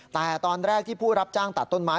แต่ตอนแรกที่ผู้รับจ้างตัดต้นไม้